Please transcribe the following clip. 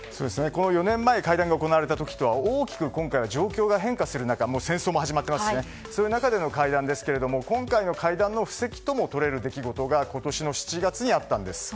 ４年前会談が行われた時と大きく情勢が変化して戦争も始まってますしそういう中での会談ですが今回の会談の布石とも取れる出来事が今年の７月にありました。